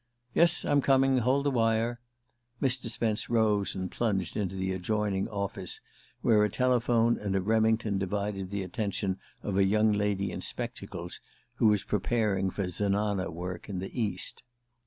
"Yes; I'm coming. Hold the wire." Mr. Spence rose and plunged into the adjoining "office," where a telephone and a Remington divided the attention of a young lady in spectacles who was preparing for Zenana work in the East.